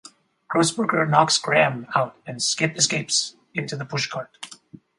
Grossberger knocks Graham out and Skip escapes into the pushcart.